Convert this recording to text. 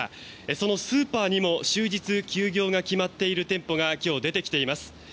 そのスーパーにも終日休業が決まっている店舗が今日、出てきています。